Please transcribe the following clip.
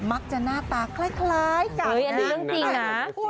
มักจะหน้าตาคล้ายกันนะ